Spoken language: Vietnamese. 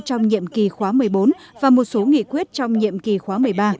trong nhiệm kỳ khóa một mươi bốn và một số nghị quyết trong nhiệm kỳ khóa một mươi ba